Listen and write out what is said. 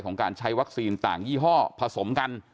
การใช้วัคซีนต่างยี่ห้อผสมกัน